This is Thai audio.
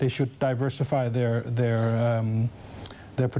หักสถานการณ์